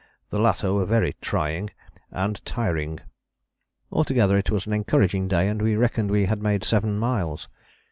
The latter were very trying and tiring." Altogether it was an encouraging day and we reckoned we had made seven miles.